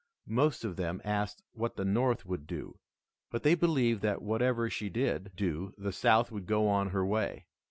Most of them asked what the North would do, but they believed that whatever she did do the South would go on her way.